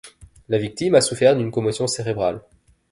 La victime a souffert d'une commotion cérébrale.